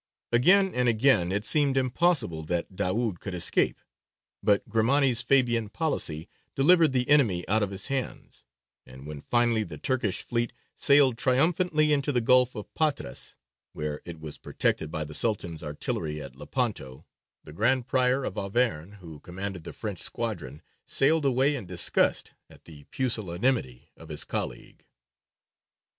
Again and again it seemed impossible that Daūd could escape, but Grimani's Fabian policy delivered the enemy out of his hands, and when finally the Turkish fleet sailed triumphantly into the Gulf of Patras, where it was protected by the Sultan's artillery at Lepanto, the Grand Prior of Auvergne, who commanded the French squadron, sailed away in disgust at the pusillanimity of his colleague.